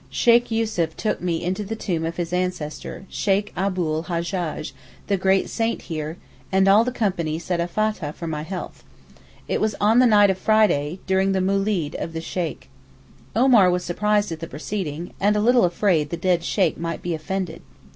Sheykh Yussuf took me into the tomb of his ancestor, Sheykh Abul Hajjaj, the great saint here, and all the company said a Fathah for my health. It was on the night of Friday, and during the moolid of the Sheykh. Omar was surprised at the proceeding, and a little afraid the dead Sheykh might be offended.